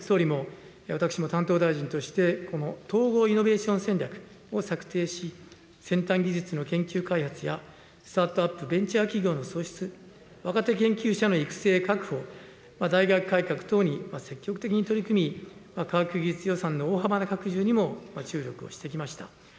まさに総理も私も担当大臣としてこの統合イノベーション戦略を策定し、先端技術の研究開発や、スタートアップ・ベンチャー企業の創出、若手研究者の育成・確保、大学改革等に積極的に取り組み、科学技術予算の大幅な拡充にも注力をしてきました。